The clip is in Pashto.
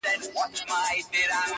او رنګینو ګلونو وطن دی -